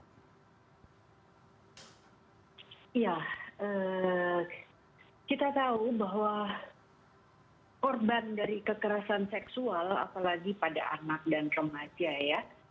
ya kita tahu bahwa korban dari kekerasan seksual apalagi pada anak dan remaja ya